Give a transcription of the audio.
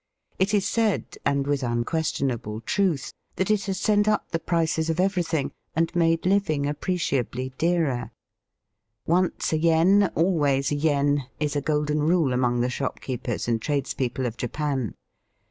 It is said, and with unquestion able truth, that it has sent up the prices of everything and made living appreciably dearer. Once a yen always a yen, is a golden rule among the shopkeepers and tradespeople of Japan.